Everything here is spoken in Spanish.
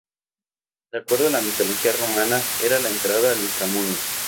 De acuerdo a la Mitología romana era la entrada al inframundo.